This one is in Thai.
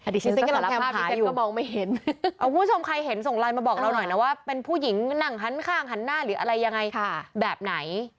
อดิฉิสิงค์กำลังแพ้มพาอยู่เอาผู้ชมใครเห็นส่งไลน์มาบอกเราหน่อยนะว่าเป็นผู้หญิงหนังข้างหันหน้าหรืออะไรยังไงแบบไหน